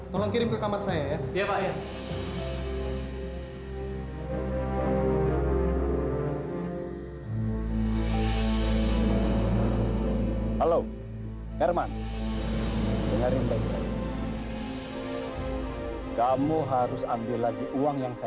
tolong kirim ke kamar saya ya